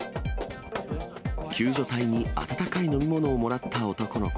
救助隊に温かい飲み物をもらった男の子。